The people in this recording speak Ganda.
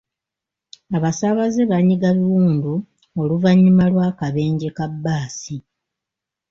Abasaabaze banyiga biwundu oluvannyuma lw'akabenje ka bbaasi.